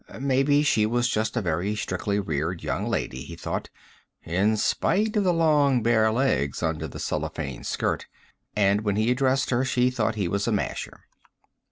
Maybe she was just a very strictly reared young lady, he thought in spite of the long bare legs under the cellophane skirt and when he addressed her, she thought he was a masher.